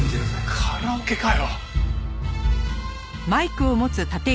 カラオケかよ！